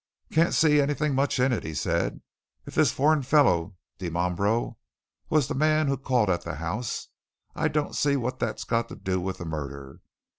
"Can't see anything much in it," he said. "If this foreign fellow, Dimambro, was the man who called at the House, I don't see what that's got to do with the murder.